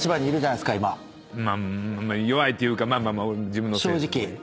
弱いというかまあまあまあ自分のせいです。